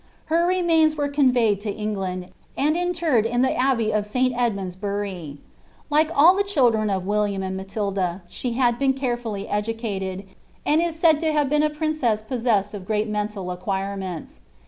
Her reniaina were conveyed to England, and interred in the abbey of Sl Edmund's Bury. Like all the children of William and Matilda, she bad been caceliilly educated, and is said to linve bc«n a princeas posaeased of great mental acquirements.